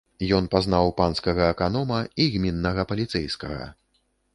Ён пазнаў панскага аканома і гміннага паліцэйскага.